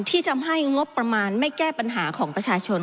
ที่ทำให้งบประมาณไม่แก้ปัญหาของประชาชน